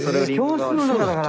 教室の中だから。